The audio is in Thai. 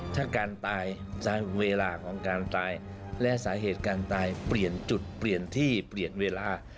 ถ้าการตายเวลาของการตายและสาเหตุการตายเปลี่ยนจุดเปลี่ยนที่เปลี่ยนเวลา